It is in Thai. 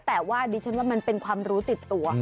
แต่ว่าดิฉันว่ามันเป็นความรู้ติดตัว